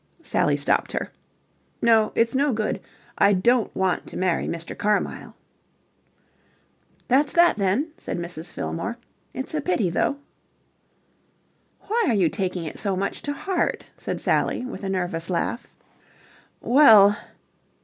Sally stopped her. "No, it's no good. I don't want to marry Mr. Carmyle." "That's that, then," said Mrs. Fillmore. "It's a pity, though." "Why are you taking it so much to heart?" said Sally with a nervous laugh. "Well..."